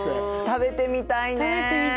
食べてみたいですね！